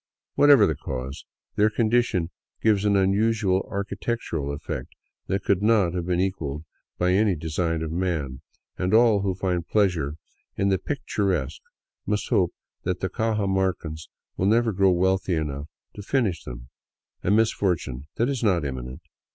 Whatever the cause, their condition gives an unusual architectural effect that could not have been equalled by any design of man, and all who find pleasure in the " picturesque '' must hope that Cajamarca will never grow wealthy enough to finish them — a misfortune that is not imminent.